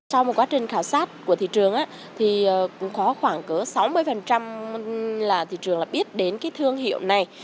sau một quá trình khảo sát của thị trường có khoảng sáu mươi là thị trường biết đến thương hiệu này